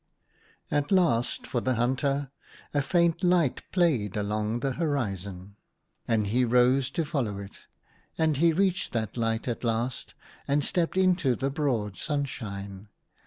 At last for the hunter a faint light played along the horizon, and he rose to follow it ; and he reached that light at last, and stepped into the broad sunshine.